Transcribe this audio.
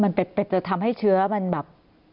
มันจะทำให้เชื้อมันแบบ